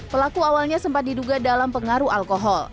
pelaku awalnya sempat diduga dalam pengaruh alkohol